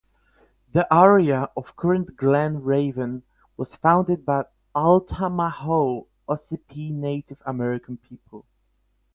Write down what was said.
The area of current Glen Raven was founded by Altamahaw-Ossipee Native American people.